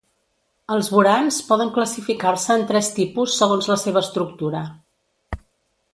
Els borans poden classificar-se en tres tipus segons la seva estructura.